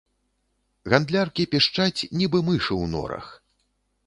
Гандляркі пішчаць, нібы мышы ў норах.